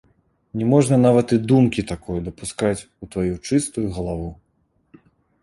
Не можна нават і думкі такое дапускаць у тваю чыстую галаву.